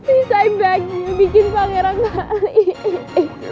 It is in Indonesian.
please i beg you bikin pangeran kali